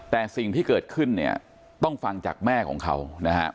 แต่สิ่งที่เกิดขึ้นเนี่ยต้องฟังจากแม่ของเขานะครับ